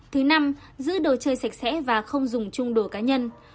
thứ năm giữ đồ chơi sạch sẽ và không dùng chung đồ cá nhân